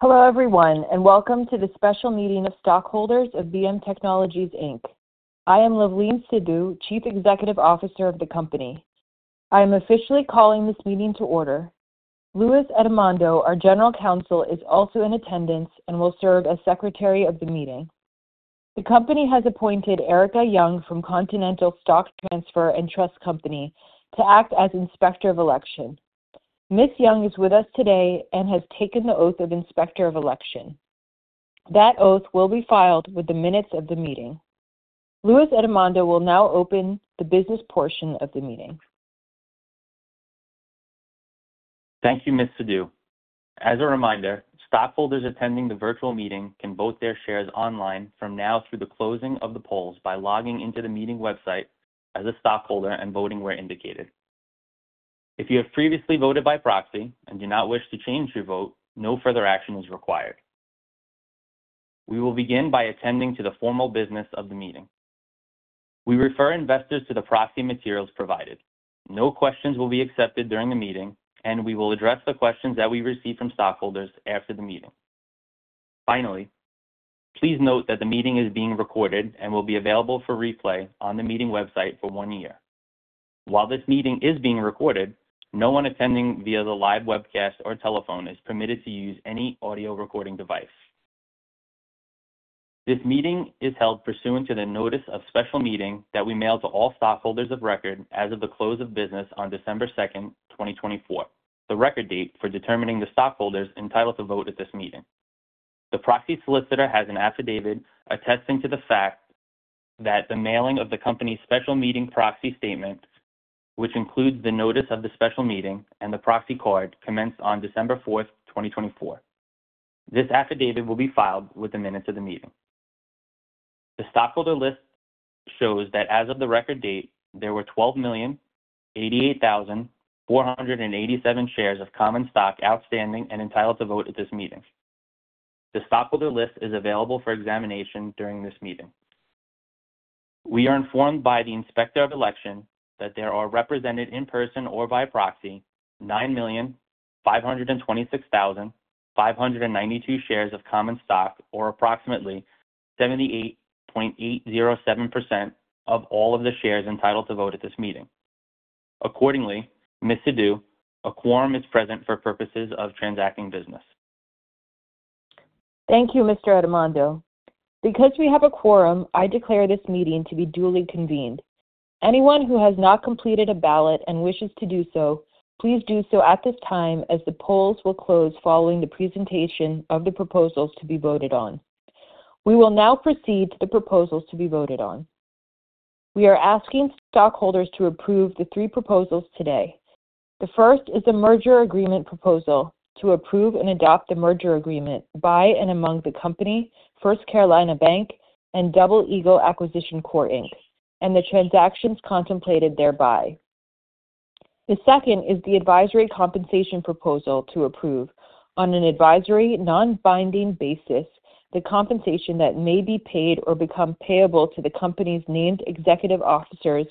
Hello everyone, and welcome to the special meeting of stockholders of BM Technologies Inc. I am Luvleen Sidhu, Chief Executive Officer of the company. I am officially calling this meeting to order. -, our General Counsel, is also in attendance and will serve as Secretary of the meeting. The company has appointed Erica Young from Continental Stock Transfer and Trust Company to act as Inspector of Election. Ms. Young is with us today and has taken the oath of Inspector of Election. That oath will be filed with the minutes of the meeting. Louis Edmondo will now open the business portion of the meeting. Thank you, Ms. Sidhu. As a reminder, stockholders attending the virtual meeting can vote their shares online from now through the closing of the polls by logging into the meeting website as a stockholder and voting where indicated. If you have previously voted by proxy and do not wish to change your vote, no further action is required. We will begin by attending to the formal business of the meeting. We refer investors to the proxy materials provided. No questions will be accepted during the meeting, and we will address the questions that we receive from stockholders after the meeting. Finally, please note that the meeting is being recorded and will be available for replay on the meeting website for one year. While this meeting is being recorded, no one attending via the live webcast or telephone is permitted to use any audio recording device. This meeting is held pursuant to the notice of special meeting that we mail to all stockholders of record as of the close of business on December 2, 2024, the record date for determining the stockholders entitled to vote at this meeting. The proxy solicitor has an affidavit attesting to the fact that the mailing of the company's special meeting proxy statement, which includes the notice of the special meeting and the proxy card, commenced on December 4, 2024. This affidavit will be filed with the minutes of the meeting. The stockholder list shows that as of the record date, there were 12,088,487 shares of common stock outstanding and entitled to vote at this meeting. The stockholder list is available for examination during this meeting. We are informed by the Inspector of Election that there are represented in person or by proxy 9,526,592 shares of common stock, or approximately 78.807% of all of the shares entitled to vote at this meeting. Accordingly, Ms. Sidhu, a quorum is present for purposes of transacting business. Thank you, Mr. Edmondo. Because we have a quorum, I declare this meeting to be duly convened. Anyone who has not completed a ballot and wishes to do so, please do so at this time as the polls will close following the presentation of the proposals to be voted on. We will now proceed to the proposals to be voted on. We are asking stockholders to approve the three proposals today. The first is the merger agreement proposal to approve and adopt the merger agreement by and among the company, First Carolina Bank and Double Eagle Acquisition Corp, and the transactions contemplated thereby. The second is the advisory compensation proposal to approve on an advisory non-binding basis the compensation that may be paid or become payable to the company's named executive officers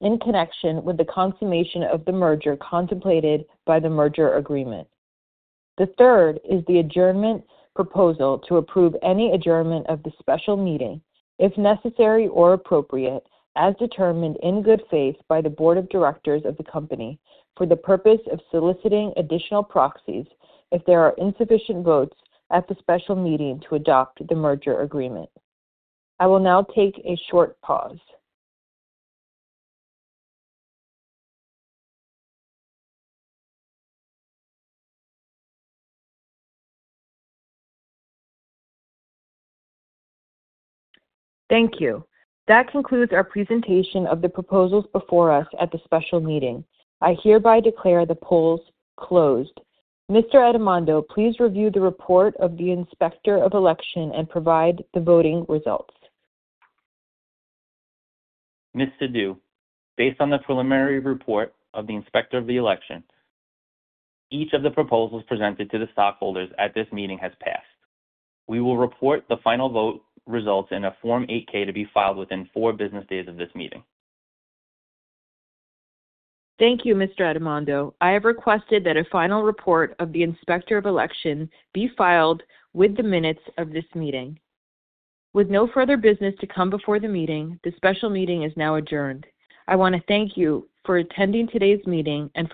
in connection with the consummation of the merger contemplated by the merger agreement. The third is the adjournment proposal to approve any adjournment of the special meeting if necessary or appropriate, as determined in good faith by the board of directors of the company for the purpose of soliciting additional proxies if there are insufficient votes at the special meeting to adopt the merger agreement. I will now take a short pause. Thank you. That concludes our presentation of the proposals before us at the special meeting. I hereby declare the polls closed. Mr. Edmondo, please review the report of the Inspector of Election and provide the voting results. Ms. Sidhu, based on the preliminary report of the Inspector of Election, each of the proposals presented to the stockholders at this meeting has passed. We will report the final vote results in a Form 8-K to be filed within four business days of this meeting. Thank you, Mr. Edmondo. I have requested that a final report of the Inspector of Election be filed with the minutes of this meeting. With no further business to come before the meeting, the special meeting is now adjourned. I want to thank you for attending today's meeting and for.